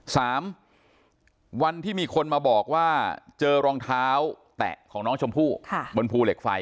สามวันที่มีคนมาบอกว่าเจอรองเท้าแตะของน้องชมพู่บนภูเหล็กไฟ